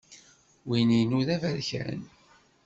Win-inu d aberkan!